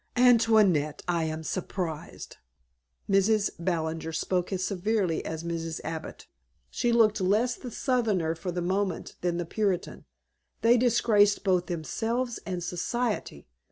"Antoinette, I am surprised." Mrs. Ballinger spoke as severely as Mrs. Abbott. She looked less the Southerner for the moment than the Puritan. "They disgraced both themselves and Society.